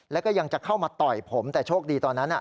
แล้วก็ยังจะเข้ามาต่อยผมแต่โชคดีตอนนั้น